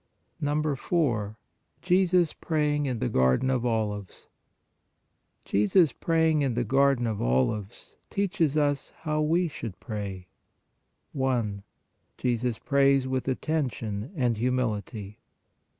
4. JESUS PRAYING IN THE GARDEN OF OLIVES Jesus praying in the garden of olives teaches us how we should pray. I. JESUS PRAYS WITH ATTENTION AND HUMILITY.